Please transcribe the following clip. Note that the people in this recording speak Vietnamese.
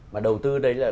mà đầu tư đây là